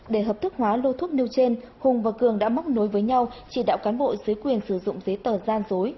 để hợp thức hóa lô thuốc nêu trên hùng và cường đã móc nối với nhau chỉ đạo cán bộ dưới quyền sử dụng giấy tờ gian dối